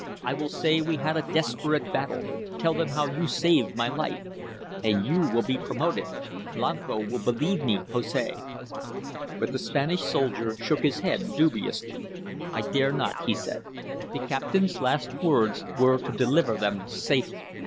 I will say we had a desperate battle tell them how you saved my life. And you will be promoted. Blanco will believe me, Jose." But the Spanish soldier shook his head dubiously. "I dare not," he said. "The captain's last words were to deliver them safely."